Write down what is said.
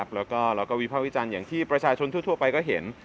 แล้วก็เราก็วิภาควิจารณ์อย่างที่ประชาชนทั่วไปก็เห็น